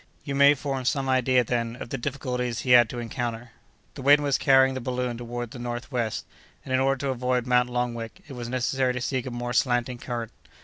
You may form some idea, then, of the difficulties he had to encounter." The wind was carrying the balloon toward the northwest, and, in order to avoid Mount Longwek, it was necessary to seek a more slanting current.